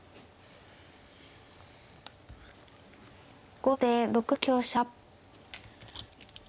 後手６六香車。